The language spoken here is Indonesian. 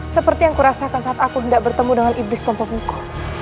seperti yang kurasakan saat aku hendak bertemu dengan iblis komponku